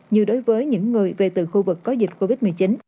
như đối với những người về từ khu vực có dịch covid một mươi chín